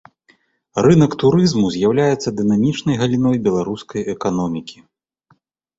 Рынак турызму з'яўляецца дынамічнай галіной беларускай эканомікі.